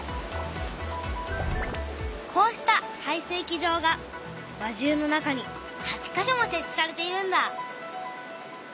こうした排水機場が輪中の中に８か所も設置されているんだ。